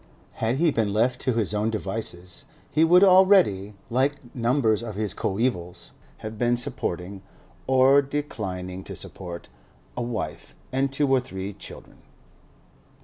Had he been left to his own devices, he would already, like numbers of his coevals, have been supporting (or declining to support) a wife and two or three children.